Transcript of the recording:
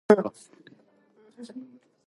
Narara has two side platforms.